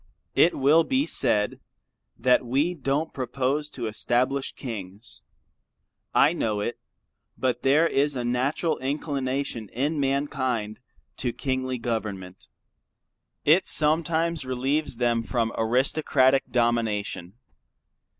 It will be said, that we don't propose to establish Kings. I know it. But there is a natural inclination in mankind to Kingly Government. It sometimes relieves them from Aristocratic domination.